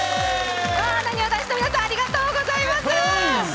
なにわ男子の皆さんありがとうございます。